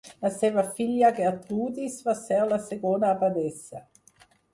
La seva filla Gertrudis va ser la segona abadessa.